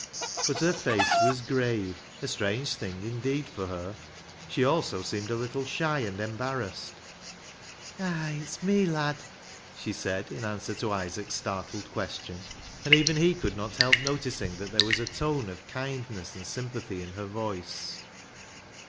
But her face was grave — a strange thing indeed for her. She also seemed a little shy and embarrassed. " Ay, it's me, lad," she said, in answer to Isaac's startled question ; and even he could not help noticing that there was a tone of kindness and sympathy in her voice.